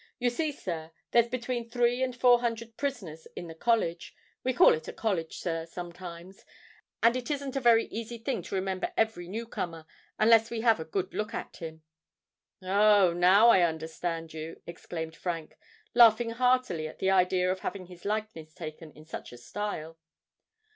"You see, sir, there's between three and four hundred prisoners in the college—we call it a college, sir, sometimes—and it isn't a very easy thing to remember every new comer, unless we have a good look at him." "Oh! now I understand you," exclaimed Frank, laughing heartily at the idea of having his likeness taken in such a style.